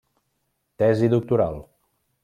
Tesi doctoral.